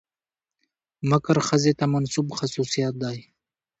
مکر ښځې ته منسوب خصوصيت دى.